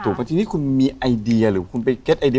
เพราะทีนี้คุณมีไอเดียหรือคุณไปเก็ตไอเดี